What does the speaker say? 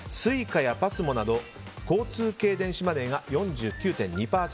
ＳｕｉｃａやＰＡＳＭＯなど交通系電子マネーが４９．２％。